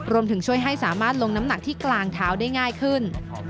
รวมถึงช่วยให้สามารถลงน้ำหนักที่กลางเท้าได้ง่ายขึ้น